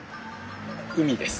海です！